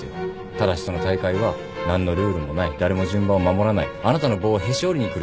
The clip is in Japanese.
ただしその大会は何のルールもない誰も順番を守らないあなたの棒をへし折りに来る敵もいる。